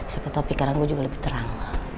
siapa tau pikiran gue juga lebih terang